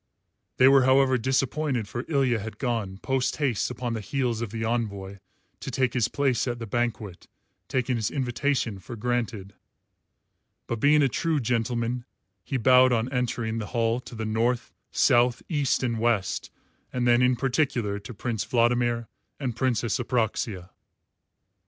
They were however disappointed, for Ilya had gone, post haste upon the heels of the envoy, to take his place at the banquet, taking his invitation for granted. But being a true gentleman, he bowed on entering the hall to the North, South, East, and West, and then in particular to Prince Vladimir and Princess Apraxia.